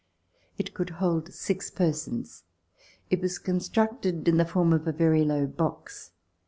It could hold six persons. It was constructed in the form of a very low box.